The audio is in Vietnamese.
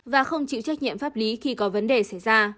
và không chịu trách nhiệm pháp lý khi có vấn đề xảy ra